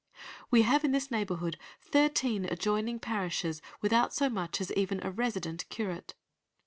"We have in this neighbourhood thirteen adjoining parishes without so much as even a resident curate."